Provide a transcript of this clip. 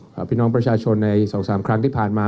ขอบพี่น้องประชาชนใน๒๓ครั้งที่ผ่านมา